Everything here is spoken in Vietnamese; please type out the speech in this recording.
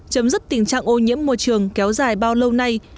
chấm dứt tình trạng ô nhiễm môi trường kéo dài bao lâu nay